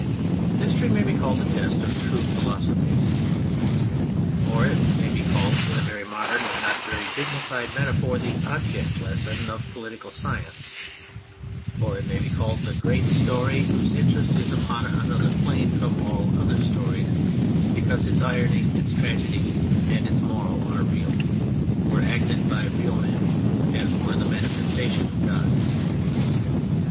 History may be called the test of true philosophy, Oi L may be called in a very modern and not very dignincd metaphor the object lesson of political science, or it may be called the great story whose 120 On the Method of History interest is upon another plane from all other stories because its irony, its tragedy, and its moral are real, were acted by real men, and were the manifestation of God.